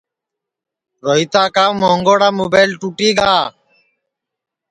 روہیتا کا مونٚگوڑا مُبیل ٹُوٹی گا